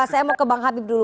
saya mau ke bang habib dulu